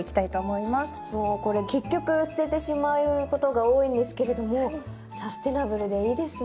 これ結局捨ててしまうことが多いんですけれどもサステナブルでいいですね。